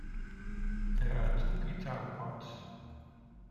There are two guitar parts.